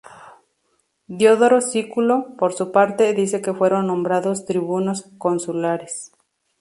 Diodoro Sículo, por su parte, dice que fueron nombrados tribunos consulares.